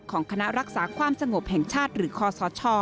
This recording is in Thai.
ของคณะรักษาความสงบแห่งชาติหรือคอสช